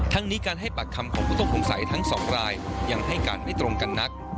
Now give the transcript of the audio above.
นี้การให้ปากคำของผู้ต้องสงสัยทั้งสองรายยังให้การไม่ตรงกันนัก